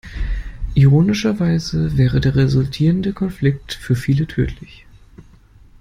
Ironischerweise wäre der resultierende Konflikt für viele tödlich.